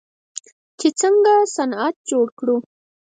چې څنګه صنعت جوړ کړو.